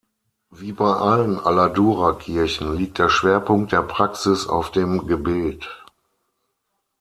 Wie bei allen Aladura-Kirchen liegt der Schwerpunkt der Praxis auf dem Gebet.